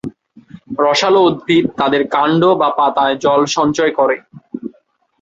রসালো উদ্ভিদ তাদের কাণ্ড বা পাতায় জল সঞ্চয় করে।